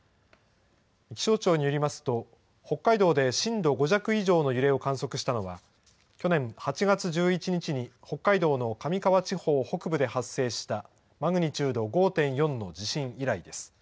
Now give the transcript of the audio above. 気象庁によりますと、北海道で震度５弱以上の揺れを観測したのは、去年８月１１日に北海道の上川地方北部で発生した、マグニチュード５．４の地震以来です。